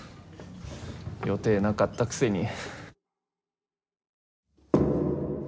予定なかったくせに。